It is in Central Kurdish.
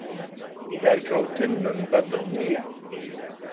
دەرکەوتنمم بەدڵ نییە.